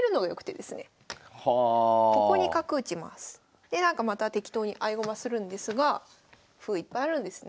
でなんかまた適当に合駒するんですが歩いっぱいあるんですね。